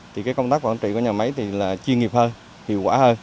thì cái công tác quản trị của nhà máy thì là chuyên nghiệp hơn hiệu quả hơn